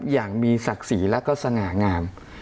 อย่างมีศักดิ์ศรีและก็สง่างาม